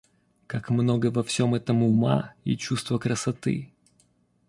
Как много во всем этом ума и чувства красоты!